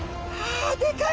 あでかい。